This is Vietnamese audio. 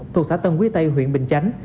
thuộc xã tân quý tây huyện bình chánh